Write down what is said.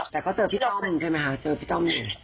แต่ก็เจอพี่ต้อมหนึ่งใช่ไหมครับ